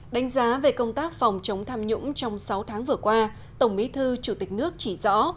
đánh giá về công tác phòng chống tham nhũng trong sáu tháng vừa qua tổng bí thư chủ tịch nước chỉ rõ